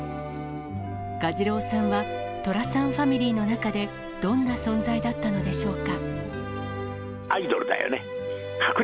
蛾次郎さんは、寅さんファミリーの中でどんな存在だったのでしょうか。